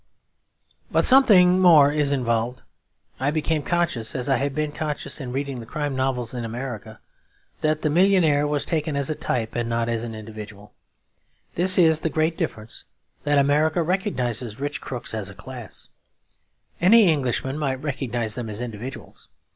But something more is involved. I became conscious, as I have been conscious in reading the crime novels of America, that the millionaire was taken as a type and not an individual. This is the great difference; that America recognises rich crooks as a class. Any Englishman might recognise them as individuals.